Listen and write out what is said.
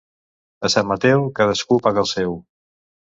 A Sant Mateu, cadascú paga el seu.